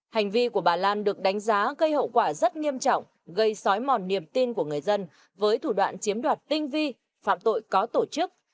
hành vi của bà lan được đánh giá gây hậu quả rất nghiêm trọng gây sói mòn niềm tin của người dân với thủ đoạn chiếm đoạt tinh vi phạm tội có tổ chức